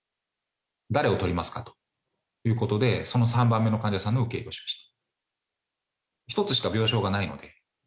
誰をとりますかということでその３番目の患者さんの受け入れをしました。